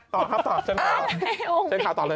ต่อครับต่อเช่นข่าว